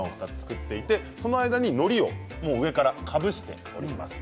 その間に、のりを上からかぶせてあります。